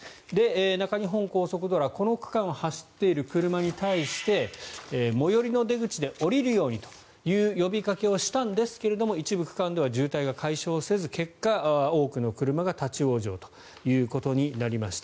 中日本高速道路はこの区間を走っている車に対して最寄りの出口で降りるようにという呼びかけをしたんですが一部区間では渋滞が解消せず結果、多くの車が立ち往生となりました。